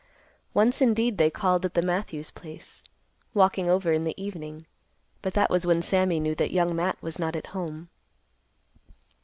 Once, indeed, they called at the Matthews place, walking over in the evening, but that was when Sammy knew that Young Matt was not at home.